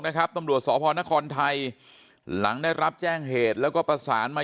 ตำรวจสพนครไทยหลังได้รับแจ้งเหตุแล้วก็ประสานมา